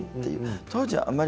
当時はあまり。